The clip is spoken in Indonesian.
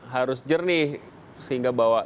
harus jernih sehingga